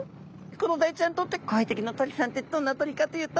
クロダイちゃんにとって怖い敵の鳥さんってどんな鳥かというと。